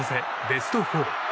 ベスト４。